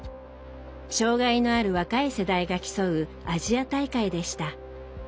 障害のある若い世代が競うアジア大会でした。